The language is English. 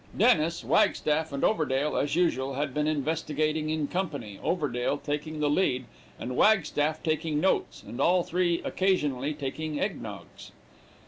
Dennis, Wagstaff, and Overdale, as usual, had been investigating in company, Overdale taking the lead, and Wagstaff taking notes, and all three occasionally taking egg noggs.